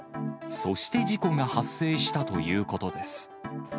そして事故が発生したということです。